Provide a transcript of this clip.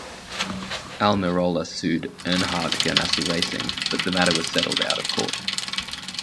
Almirola sued Earnhardt Ganassi Racing but the matter was settled out of court.